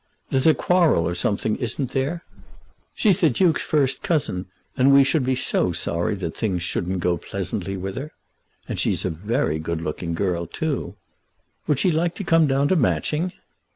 "There's a quarrel or something; isn't there? She's the Duke's first cousin, and we should be so sorry that things shouldn't go pleasantly with her. And she's a very good looking girl, too. Would she like to come down to Matching?"